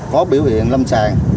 có biểu hiện lâm sàng